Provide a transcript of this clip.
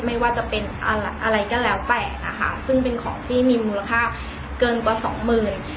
ไม่ว่าจะเป็นอะไรก็แล้วแต่นะคะซึ่งเป็นของที่มีมูลค่าเกินกว่าสองหมื่น